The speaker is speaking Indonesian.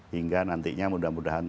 hingga nantinya mudah mudahan